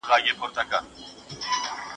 د خوراک پر مهال اوبه ورکړئ.